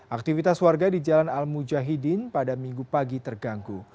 aktivitas warga di jalan al mujahidin pada minggu pagi terganggu